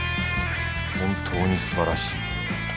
本当にすばらしい。